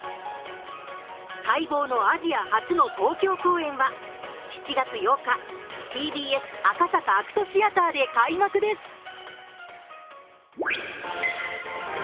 待望のアジア初の東京公演は７月８日、ＴＢＳ赤坂ＡＣＴシアターで開幕です。